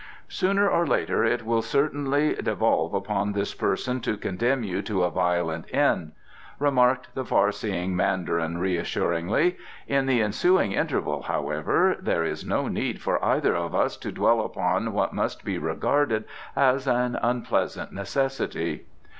"Sooner or later it will certainly devolve upon this person to condemn you to a violent end," remarked the far seeing Mandarin reassuringly. "In the ensuing interval, however, there is no need for either of us to dwell upon what must be regarded as an unpleasant necessity."